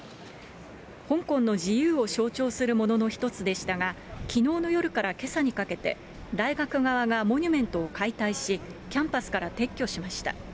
香港の自由を象徴するものの一つでしたが、きのうの夜からけさにかけて、大学側がモニュメントを解体し、キャンパスから撤去しました。